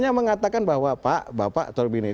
dia mengatakan bahwa pak bapak atau begini